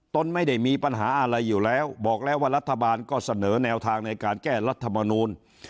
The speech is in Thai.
ตนไม่ได้มีปัญหาอะไรอยู่แล้วบอกแล้วว่ารัฐบาลก็เสนอแนวทางในการแก้รัฐมนูล